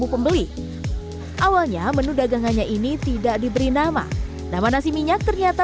pembeli awalnya menu dagangannya ini tidak diberi nama nama nasi minyak ternyata